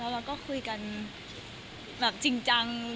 แล้วเราก็คุยกันกับจริง